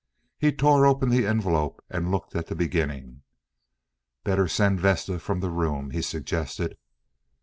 He tore open the envelope and looked at the beginning. "Better send Vesta from the room," he suggested.